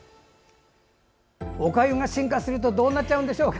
おかゆが進化するとどうなっちゃうんでしょうか。